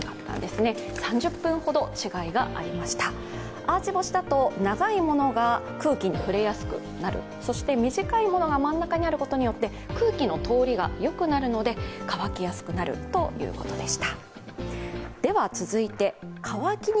アーチ干しだと、長いものが空気に触れやすくなる、そして短いものが真ん中にあることによって空気の通りがよくなるので乾きやすくなるということでした。